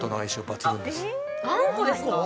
あんこですか？